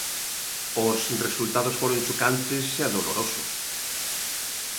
Os resultados foron chocantes e dolorosos.